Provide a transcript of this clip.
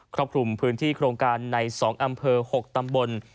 รอบคลุมพื้นที่โครงการใน๒อำเภอ๖ตำบล